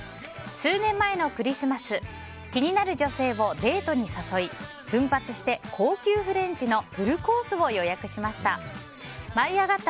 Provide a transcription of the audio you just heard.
数年前のクリスマス気になる女性をデートに誘い奮発して高級フレンチのフルコースを予約しました。